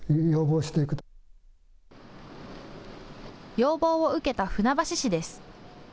要望を受けた船橋市です。